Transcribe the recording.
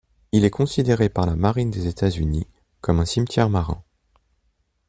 Il est considéré par la Marine des États-Unis comme un cimetière marin.